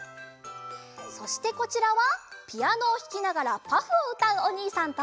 そしてこちらはピアノをひきながら「パフ」をうたうおにいさんと。